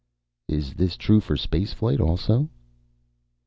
"This is true for spaceflight also?"